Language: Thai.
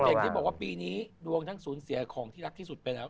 อย่างที่บอกว่าปีนี้ดวงทั้งสูญเสียของที่รักที่สุดไปแล้ว